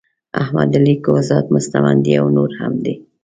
احمد علی کهزاد مستمندي او نور هم دي.